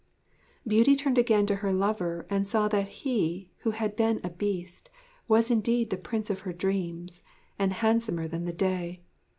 Beauty turned again to her lover and saw that he, who had been a Beast, was indeed the Prince of her dreams and handsomer than the day.